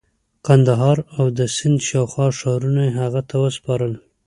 قندهار او د سند شاوخوا ښارونه یې هغه ته وسپارل.